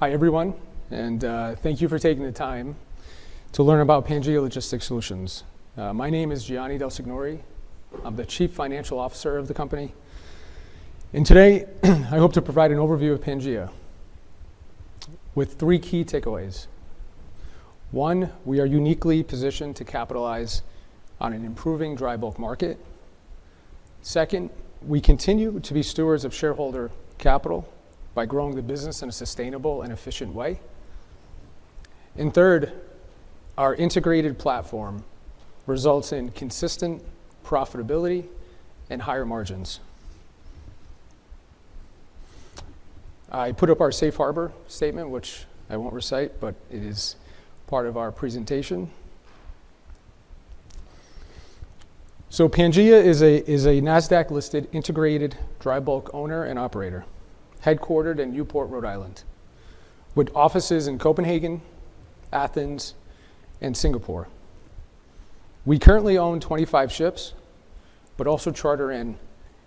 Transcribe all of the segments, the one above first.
Hi, everyone, and thank you for taking the time to learn about Pangaea Logistics Solutions. My name is Gianni Del Signore. I'm the Chief Financial Officer of the company, and today, I hope to provide an overview of Pangaea with three key takeaways. One, we are uniquely positioned to capitalize on an improving dry bulk market. Second, we continue to be stewards of shareholder capital by growing the business in a sustainable and efficient way, and third, our integrated platform results in consistent profitability and higher margins. I put up our Safe Harbor statement, which I won't recite, but it is part of our presentation, so Pangaea is a NASDAQ-listed integrated dry bulk owner and operator headquartered in Newport, Rhode Island, with offices in Copenhagen, Athens, and Singapore. We currently own 25 ships, but also charter in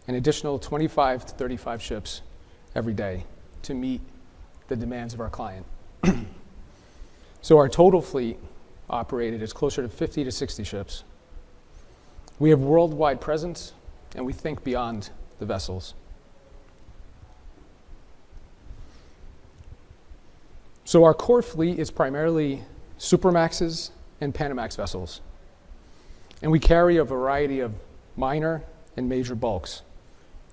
an additional 25 to 35 ships every day to meet the demands of our client, so our total fleet operated is closer to 50 to 60 ships. We have a worldwide presence, and we think beyond the vessels, so our core fleet is primarily Supramaxes and Panamax vessels, and we carry a variety of minor and major bulks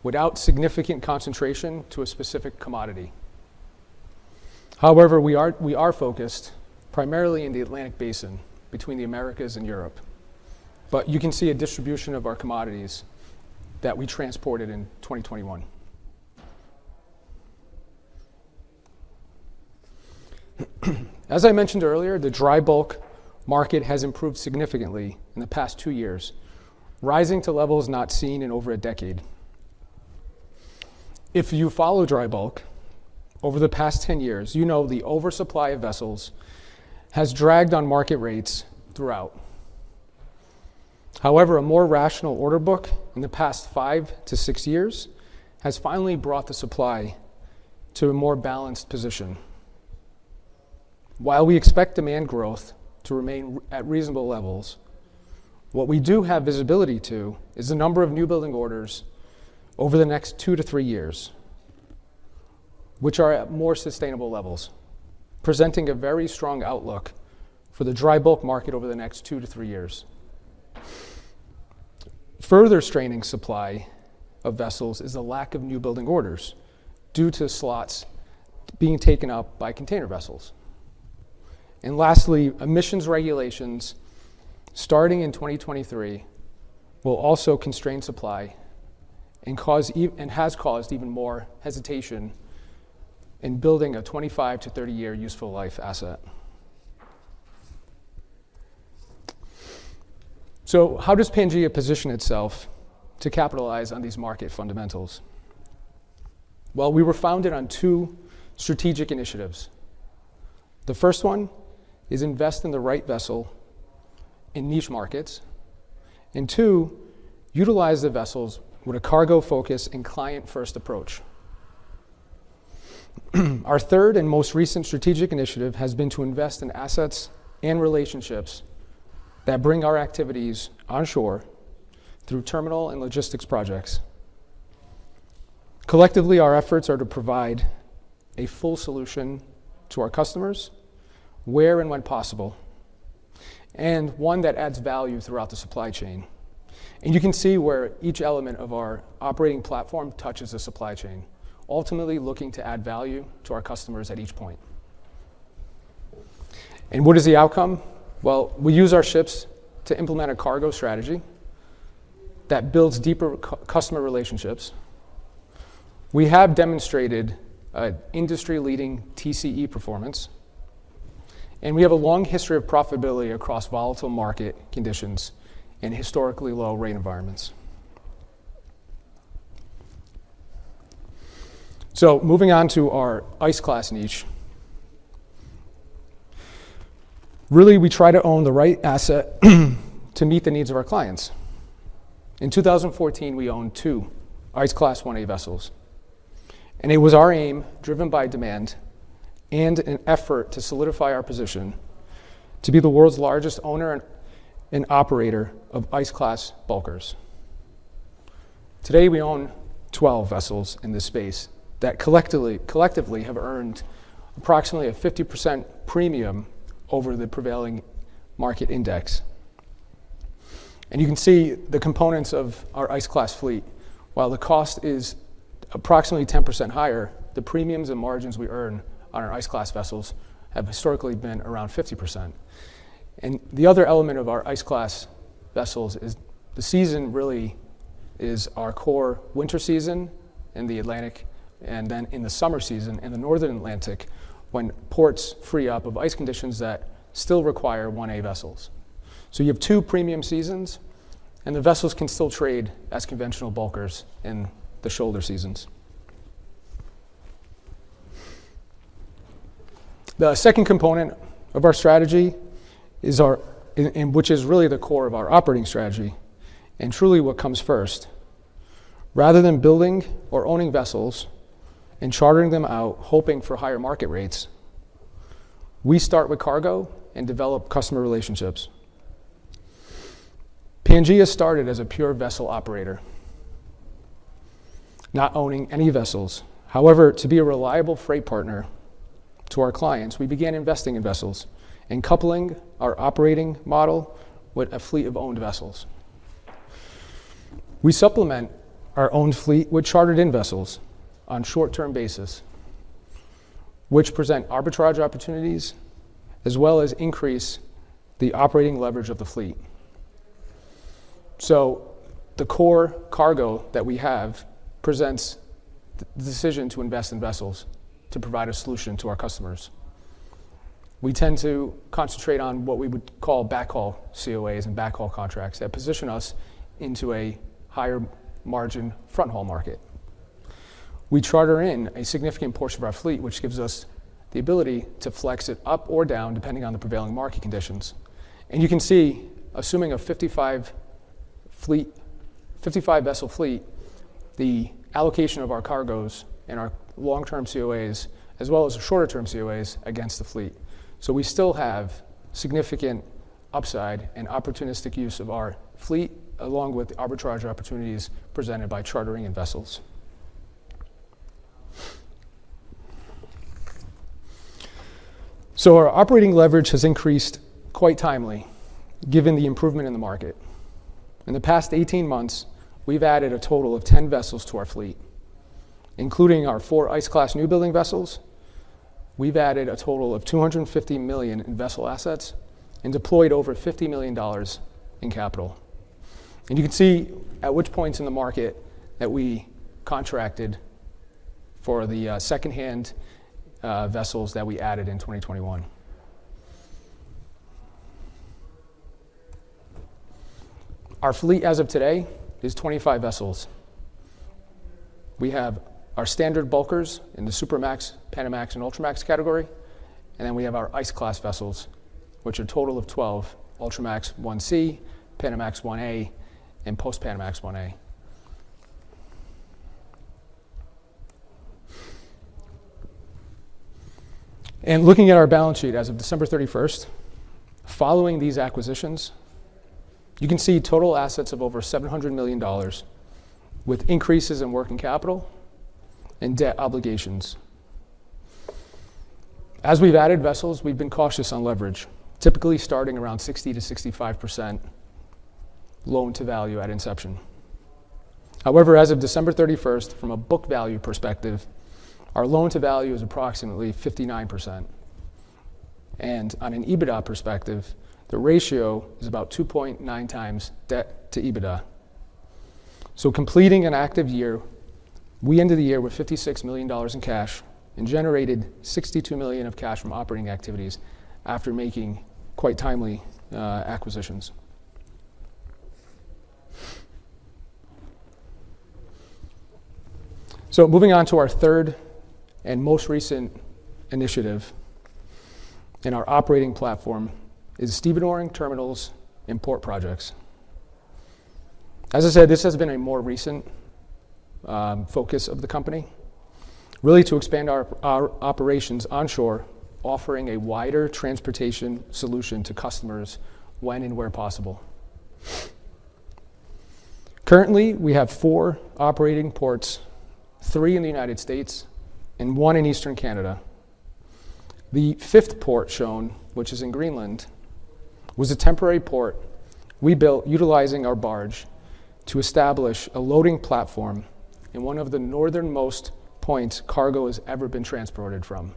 without significant concentration to a specific commodity. However, we are focused primarily in the Atlantic Basin between the Americas and Europe, but you can see a distribution of our commodities that we transported in 2021. As I mentioned earlier, the dry bulk market has improved significantly in the past two years, rising to levels not seen in over a decade. If you follow dry bulk over the past 10 years, you know the oversupply of vessels has dragged on market rates throughout. However, a more rational order book in the past five to six years has finally brought the supply to a more balanced position. While we expect demand growth to remain at reasonable levels, what we do have visibility to is the number of newbuilding orders over the next two to three years, which are at more sustainable levels, presenting a very strong outlook for the dry bulk market over the next two to three years. Further straining supply of vessels is the lack of newbuilding orders due to slots being taken up by container vessels. And lastly, emissions regulations starting in 2023 will also constrain supply and has caused even more hesitation in building a 25 to 30-year useful life asset. So how does Pangaea position itself to capitalize on these market fundamentals? Well, we were founded on two strategic initiatives. The first one is to invest in the right vessel in niche markets. And two, utilize the vessels with a cargo focus and client-first approach. Our third and most recent strategic initiative has been to invest in assets and relationships that bring our activities onshore through terminal and logistics projects. Collectively, our efforts are to provide a full solution to our customers where and when possible, and one that adds value throughout the supply chain. And you can see where each element of our operating platform touches the supply chain, ultimately looking to add value to our customers at each point. And what is the outcome? Well, we use our ships to implement a cargo strategy that builds deeper customer relationships. We have demonstrated industry-leading TCE performance. And we have a long history of profitability across volatile market conditions and historically low-rated environments. Moving on to our Ice Class niche. Really, we try to own the right asset to meet the needs of our clients. In 2014, we owned two Ice Class 1A vessels. It was our aim, driven by demand and an effort to solidify our position, to be the world's largest owner and operator of Ice Class bulkers. Today, we own 12 vessels in this space that collectively have earned approximately a 50% premium over the prevailing market index. You can see the components of our Ice Class fleet. While the cost is approximately 10% higher, the premiums and margins we earn on our Ice Class vessels have historically been around 50%. And the other element of our Ice Class vessels is the season. Really, it is our core winter season in the Atlantic, and then in the summer season in the Northern Atlantic when ports free up of ice conditions that still require 1A vessels. So you have two premium seasons, and the vessels can still trade as conventional bulkers in the shoulder seasons. The second component of our strategy, which is really the core of our operating strategy and truly what comes first, rather than building or owning vessels and chartering them out, hoping for higher market rates, we start with cargo and develop customer relationships. Pangaea started as a pure vessel operator, not owning any vessels. However, to be a reliable freight partner to our clients, we began investing in vessels and coupling our operating model with a fleet of owned vessels. We supplement our owned fleet with chartered in vessels on a short-term basis, which presents arbitrage opportunities as well as increases the operating leverage of the fleet. So the core cargo that we have presents the decision to invest in vessels to provide a solution to our customers. We tend to concentrate on what we would call backhaul COAs and backhaul contracts that position us into a higher margin fronthaul market. We charter in a significant portion of our fleet, which gives us the ability to flex it up or down depending on the prevailing market conditions. And you can see, assuming a 55-vessel fleet, the allocation of our cargoes and our long-term COAs, as well as the shorter-term COAs, against the fleet. So we still have significant upside and opportunistic use of our fleet, along with the arbitrage opportunities presented by chartering in vessels. Our operating leverage has increased quite timely, given the improvement in the market. In the past 18 months, we've added a total of 10 vessels to our fleet, including our four Ice Class newbuilding vessels. We've added a total of $250 million in vessel assets and deployed over $50 million in capital. And you can see at which points in the market that we contracted for the second-hand vessels that we added in 2021. Our fleet, as of today, is 25 vessels. We have our standard bulkers in the Supramax, Panamax, and Ultramax category. And then we have our Ice Class vessels, which are a total of 12 Ultramax 1C, Panamax 1A, and Post-Panamax 1A. And looking at our balance sheet as of December 31st, following these acquisitions, you can see total assets of over $700 million, with increases in working capital and debt obligations. As we've added vessels, we've been cautious on leverage, typically starting around 60%-65% loan-to-value at inception. However, as of December 31st, from a book value perspective, our loan-to-value is approximately 59%. And on an EBITDA perspective, the ratio is about 2.9 times debt to EBITDA. So completing an active year, we ended the year with $56 million in cash and generated $62 million of cash from operating activities after making quite timely acquisitions. So moving on to our third and most recent initiative in our operating platform is stevedoring terminals and port projects. As I said, this has been a more recent focus of the company, really to expand our operations onshore, offering a wider transportation solution to customers when and where possible. Currently, we have four operating ports, three in the United States and one in Eastern Canada. The fifth port shown, which is in Greenland, was a temporary port we built utilizing our barge to establish a loading platform in one of the northernmost points cargo has ever been transported from.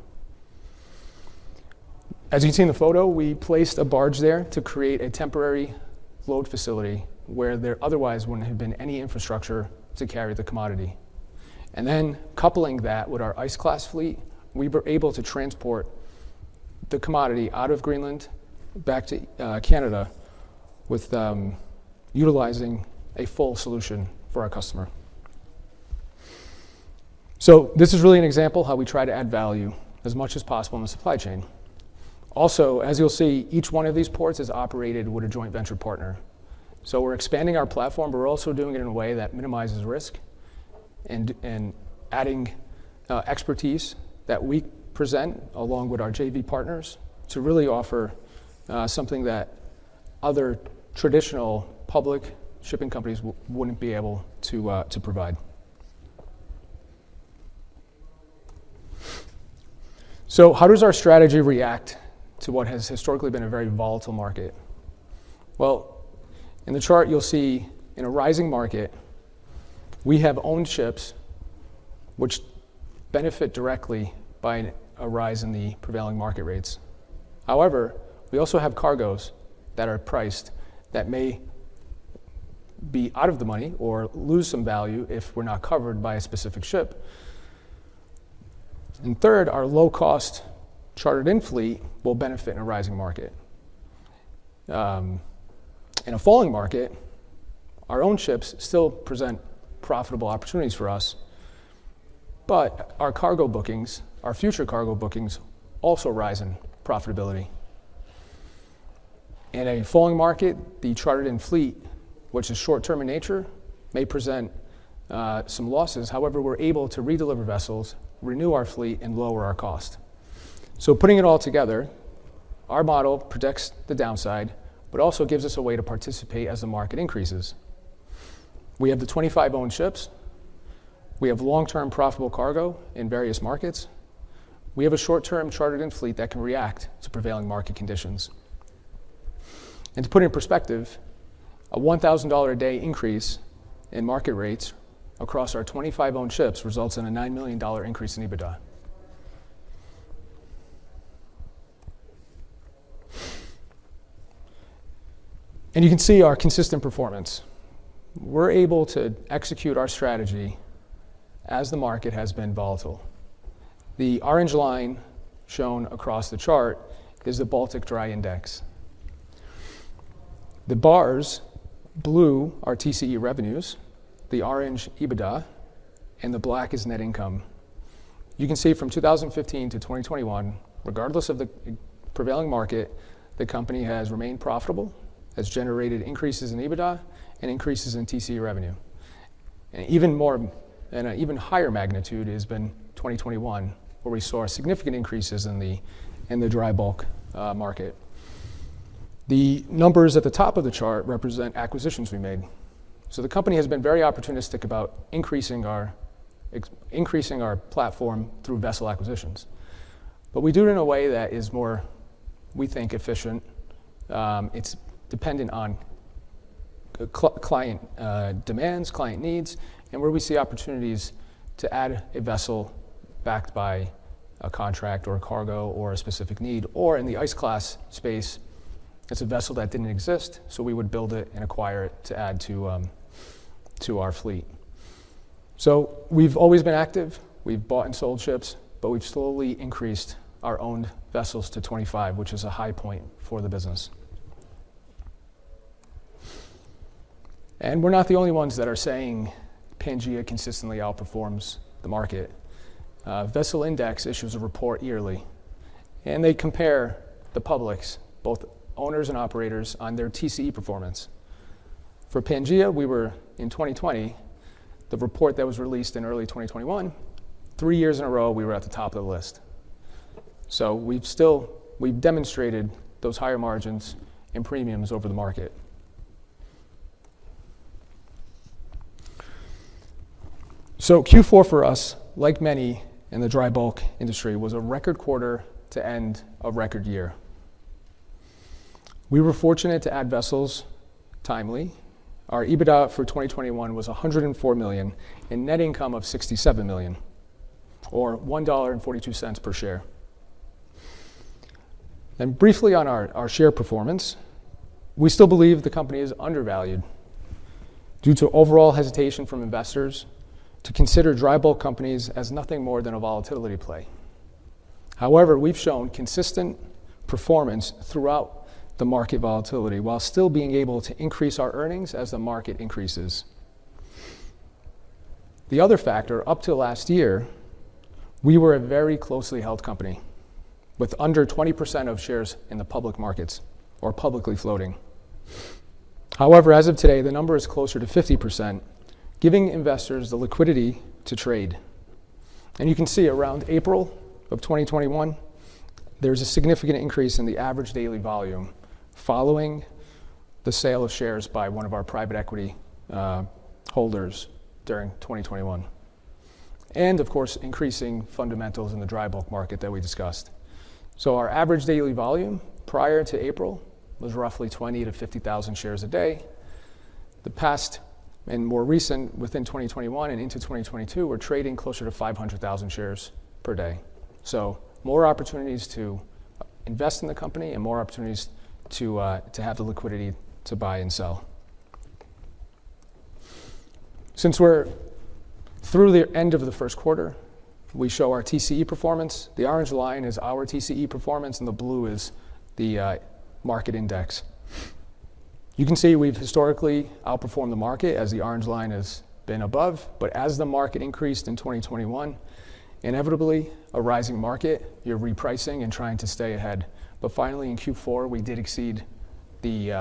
As you can see in the photo, we placed a barge there to create a temporary load facility where there otherwise wouldn't have been any infrastructure to carry the commodity. And then coupling that with our Ice Class fleet, we were able to transport the commodity out of Greenland back to Canada utilizing a full solution for our customer. So this is really an example of how we try to add value as much as possible in the supply chain. Also, as you'll see, each one of these ports is operated with a joint venture partner. So we're expanding our platform, but we're also doing it in a way that minimizes risk and adding expertise that we present along with our JV partners to really offer something that other traditional public shipping companies wouldn't be able to provide. So how does our strategy react to what has historically been a very volatile market? Well, in the chart, you'll see in a rising market, we have owned ships which benefit directly by a rise in the prevailing market rates. However, we also have cargoes that are priced that may be out of the money or lose some value if we're not covered by a specific ship. And third, our low-cost chartered in fleet will benefit in a rising market. In a falling market, our owned ships still present profitable opportunities for us, but our future cargo bookings also rise in profitability. In a falling market, the chartered in fleet, which is short-term in nature, may present some losses. However, we're able to redeliver vessels, renew our fleet, and lower our cost. So putting it all together, our model predicts the downside, but also gives us a way to participate as the market increases. We have the 25 owned ships. We have long-term profitable cargo in various markets. We have a short-term chartered in fleet that can react to prevailing market conditions. And to put it in perspective, a $1,000 a day increase in market rates across our 25 owned ships results in a $9 million increase in EBITDA. And you can see our consistent performance. We're able to execute our strategy as the market has been volatile. The orange line shown across the chart is the Baltic Dry Index. The bars blue are TCE revenues, the orange EBITDA, and the black is net income. You can see from 2015 to 2021, regardless of the prevailing market, the company has remained profitable, has generated increases in EBITDA and increases in TCE revenue, and an even higher magnitude has been 2021, where we saw significant increases in the dry bulk market. The numbers at the top of the chart represent acquisitions we made, so the company has been very opportunistic about increasing our platform through vessel acquisitions, but we do it in a way that is more, we think, efficient. It's dependent on client demands, client needs, and where we see opportunities to add a vessel backed by a contract or a cargo or a specific need. Or in the Ice Class space, it's a vessel that didn't exist, so we would build it and acquire it to add to our fleet. So we've always been active. We've bought and sold ships, but we've slowly increased our owned vessels to 25, which is a high point for the business. And we're not the only ones that are saying Pangaea consistently outperforms the market. VesselIndex issues a report yearly, and they compare the publics, both owners and operators, on their TCE performance. For Pangaea, we were in 2020, the report that was released in early 2021, three years in a row, we were at the top of the list. So we've demonstrated those higher margins and premiums over the market. So Q4 for us, like many in the dry bulk industry, was a record quarter to end a record year. We were fortunate to add vessels timely. Our EBITDA for 2021 was $104 million and net income of $67 million, or $1.42 per share. Briefly on our share performance, we still believe the company is undervalued due to overall hesitation from investors to consider dry bulk companies as nothing more than a volatility play. However, we've shown consistent performance throughout the market volatility while still being able to increase our earnings as the market increases. The other factor, up to last year, we were a very closely held company with under 20% of shares in the public markets or publicly floating. However, as of today, the number is closer to 50%, giving investors the liquidity to trade. You can see around April of 2021, there's a significant increase in the average daily volume following the sale of shares by one of our private equity holders during 2021. Of course, increasing fundamentals in the dry bulk market that we discussed. Our average daily volume prior to April was roughly 20,000-50,000 shares a day. In the past and more recent, within 2021 and into 2022, we're trading closer to 500,000 shares per day. More opportunities to invest in the company and more opportunities to have the liquidity to buy and sell. Since we're through the end of the first quarter, we show our TCE performance. The orange line is our TCE performance, and the blue is the market index. You can see we've historically outperformed the market as the orange line has been above. As the market increased in 2021, inevitably, a rising market, you're repricing and trying to stay ahead. Finally, in Q4, we did exceed the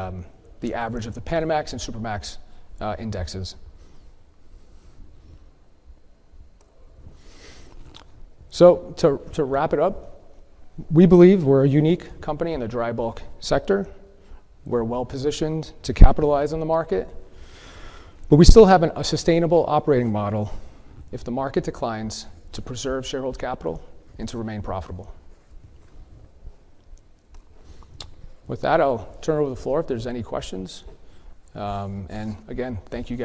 average of the Panamax and Supramax indexes. So to wrap it up, we believe we're a unique company in the dry bulk sector. We're well positioned to capitalize on the market. But we still have a sustainable operating model if the market declines to preserve shareholder capital and to remain profitable. With that, I'll turn it over to the floor if there's any questions. And again, thank you,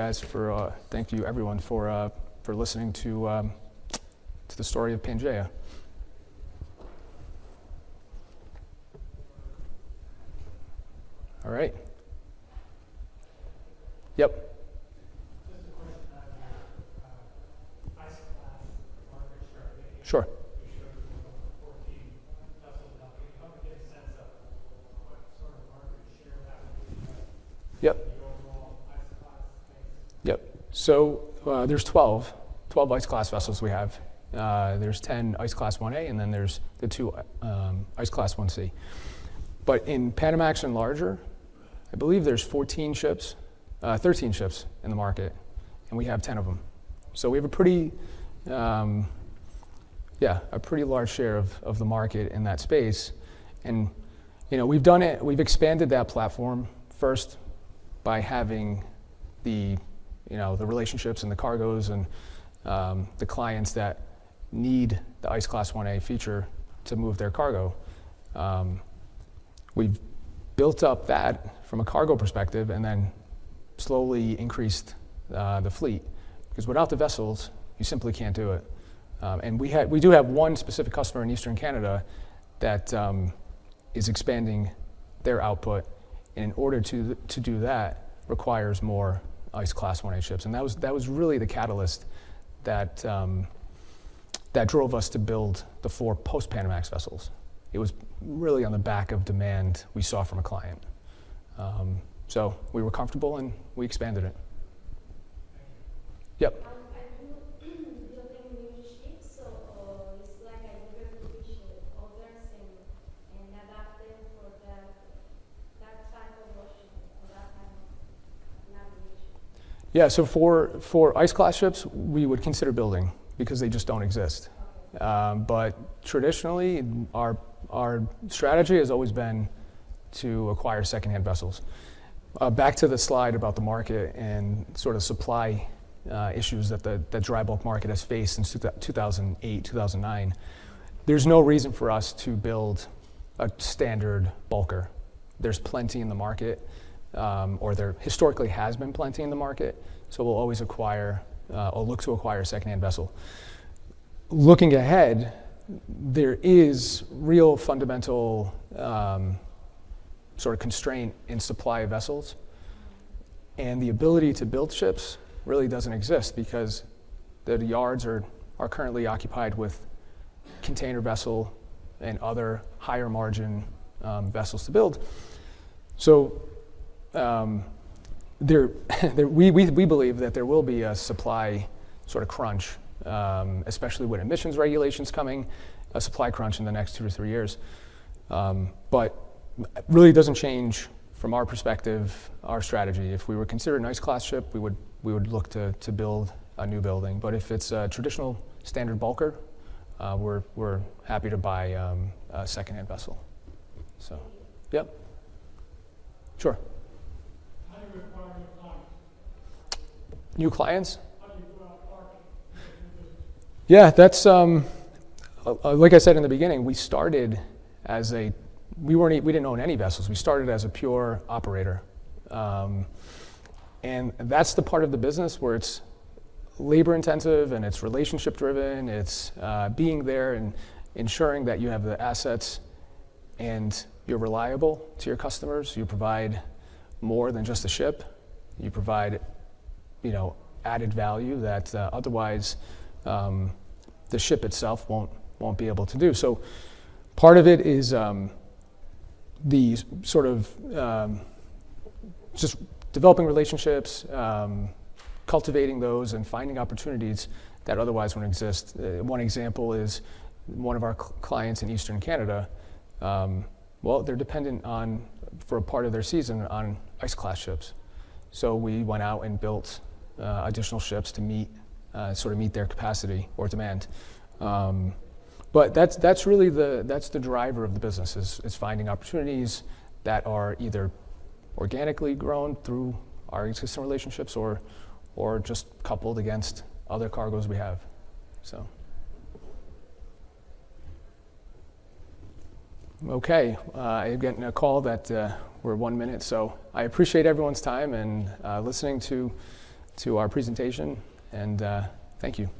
everyone, for listening to the story of Pangaea. All right. Yep. Just a question on the Ice Class market share ratio. Sure. You showed 14 vessels now. Can you help me get a sense of what sort of market share happened with the overall Ice Class? Yep. So there's 12 Ice Class vessels we have. There's 10 Ice Class 1A, and then there's the two Ice Class 1C. But in Panamax and larger, I believe there's 14 ships, 13 ships in the market, and we have 10 of them. So we have a pretty large share of the market in that space. And we've expanded that platform first by having the relationships and the cargoes and the clients that need the Ice Class 1A feature to move their cargo. We've built up that from a cargo perspective and then slowly increased the fleet. Because without the vessels, you simply can't do it. And we do have one specific customer in Eastern Canada that is expanding their output. And in order to do that, requires more Ice Class 1A ships. And that was really the catalyst that drove us to build the four Post-Panamax vessels. It was really on the back of demand we saw from a client. So we were comfortable, and we expanded it. Yep. Are you building new ships? So it's like a replacement of those and adapting for that type of ocean or that type of navigation? Yeah. So for Ice Class ships, we would consider building because they just don't exist. But traditionally, our strategy has always been to acquire second-hand vessels. Back to the slide about the market and sort of supply issues that the dry bulk market has faced in 2008, 2009, there's no reason for us to build a standard bulker. There's plenty in the market, or there historically has been plenty in the market, so we'll always acquire or look to acquire a second-hand vessel. Looking ahead, there is real fundamental sort of constraint in supply of vessels. And the ability to build ships really doesn't exist because the yards are currently occupied with container vessel and other higher margin vessels to build. So we believe that there will be a supply sort of crunch, especially with emissions regulations coming, a supply crunch in the next two to three years. But really, it doesn't change from our perspective, our strategy. If we were considered an Ice Class ship, we would look to build a newbuilding. But if it's a traditional standard bulker, we're happy to buy a second-hand vessel. So yep. Sure. How do you acquire new clients? New clients? How do you go out and market? Yeah. Like I said in the beginning, we started as we didn't own any vessels. We started as a pure operator. And that's the part of the business where it's labor-intensive and it's relationship-driven. It's being there and ensuring that you have the assets and you're reliable to your customers. You provide more than just a ship. You provide added value that otherwise the ship itself won't be able to do. So part of it is the sort of just developing relationships, cultivating those, and finding opportunities that otherwise wouldn't exist. One example is one of our clients in Eastern Canada. They're dependent for a part of their season on Ice Class ships. So we went out and built additional ships to sort of meet their capacity or demand. But that's really the driver of the business is finding opportunities that are either organically grown through our existing relationships or just coupled against other cargoes we have. Okay. I'm getting a call that we're one minute. So I appreciate everyone's time and listening to our presentation, and thank you.